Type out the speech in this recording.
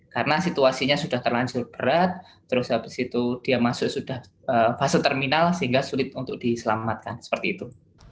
karena situasinya sudah terlanjur berat terus habis itu dia masuk sudah fase terminal sehingga sulit untuk diselamatkan seperti itu